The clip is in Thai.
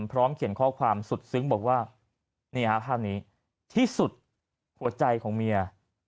พร้อมเขียนข้อความสุดซึ้งบอกว่านี่ฮะภาพนี้ที่สุดหัวใจของเมีย